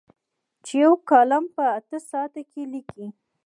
چې یو کالم په اته ساعته کې لیکي.